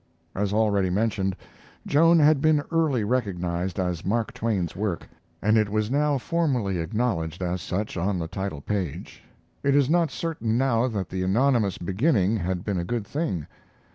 As already mentioned, Joan had been early recognized as Mark Twain's work, and it was now formally acknowledged as such on the title page. It is not certain now that the anonymous beginning had been a good thing.